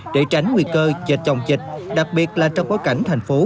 để tránh nguy cơ dịch chồng dịch đặc biệt là trong bối cảnh thành phố